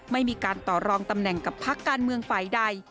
ไม่มีการต่อรองตำแหน่งกับพักการเมืองฝ่ายใด